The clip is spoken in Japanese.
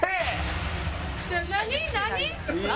何？